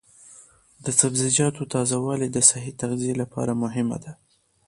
د سبزیجاتو تازه والي د صحي تغذیې لپاره مهمه ده.